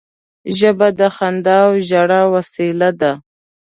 ژبه د خندا او ژړا وسیله ده